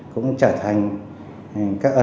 cũng trở thành các ấn tượng